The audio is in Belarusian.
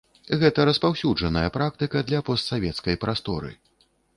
Гэта распаўсюджаная практыка для постсавецкай прасторы.